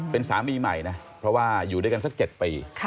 เป็นสามีใหม่นะเพราะว่าอยู่ด้วยกันสัก๗ปี